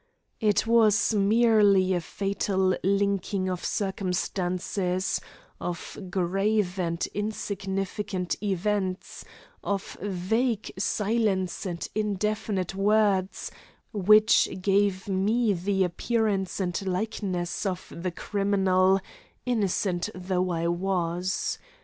It was merely a fatal linking of circumstances, of grave and insignificant events, of vague silence and indefinite words, which gave me the appearance and likeness of the criminal, innocent though I was.